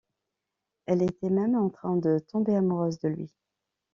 Elle était même en train de tomber amoureuse de lui.